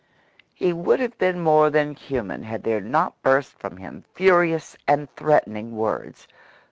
He would have been more than human had there not burst from him furious and threatening words.